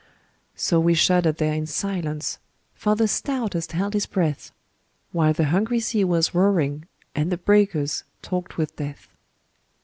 So we shuddered there in silence, For the stoutest held his breath, While the hungry sea was roaring And the breakers talked with death.